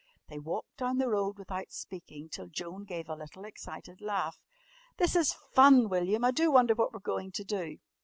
They walked down the road without speaking till Joan gave a little excited laugh. "This is fun, William! I do wonder what we're going to do."